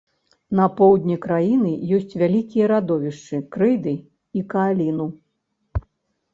На поўдні краіны ёсць вялікія радовішчы крэйды і кааліну.